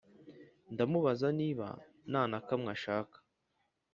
ndamubaza niba nanakamwe ashaka